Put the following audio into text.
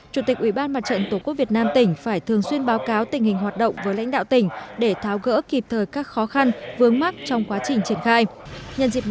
chủ tịch ủy ban mặt trận tổ quốc việt nam tỉnh phải thường xuyên báo cáo tình hình hoạt động với lãnh đạo tỉnh để tháo gỡ kịp thời các khó khăn vướng mắt trong quá trình triển khai